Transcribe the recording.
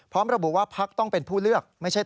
พร้อมระบุว่าภักดิ์ฟิลดิ์ต้องเป็นผู้เลือก